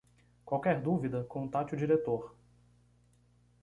Qualquer dúvida, contate o diretor